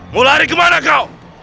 mau lari kemana kau